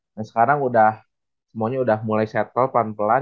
dan sekarang udah semuanya udah mulai settle pelan pelan